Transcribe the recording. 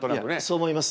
そう思います。